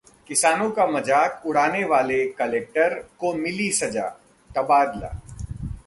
किसानों का मजाक उड़ाने वाले कलेक्टर को मिली सजा, तबादला